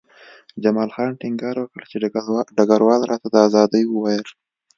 جمال خان ټینګار وکړ چې ډګروال راته د ازادۍ وویل